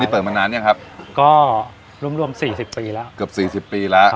เปิดมานานยังครับก็รวมรวมสี่สิบปีแล้วเกือบสี่สิบปีแล้ว